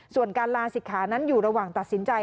ส่วนการลาศิกขานั้นอยู่ระหว่างตัดสินใจ